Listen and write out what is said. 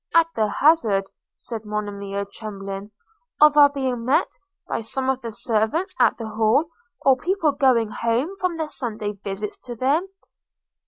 – 'At the hazard,' said Monimia, trembling, 'of our being met by some of the servants at the Hall, or people going home from their Sunday's visits to them?'